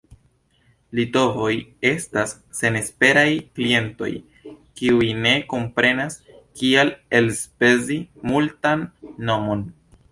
Litovoj estas senesperaj klientoj, kiuj ne komprenas, kial elspezi multan monon.